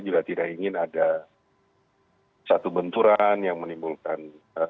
juga tidak ingin ada satu benturan yang menimbulkan